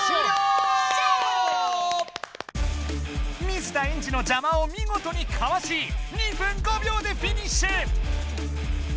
水田エンジのじゃまをみごとにかわし２分５秒でフィニッシュ！